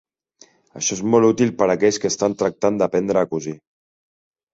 Això és molt útil per aquells que estan tractant d'aprendre a cosir.